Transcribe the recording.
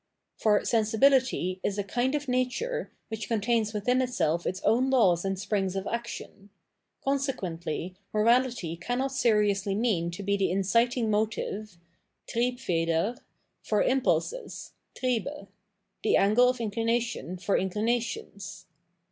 For sensibility is a kind of nature, which con tains within itself its own laws and springs of action : consequently, moralit)'" cannot seriously mean to be the incitmg motive {Triehfeder) for impulses {Triehe), the angle of inclination for inclinations.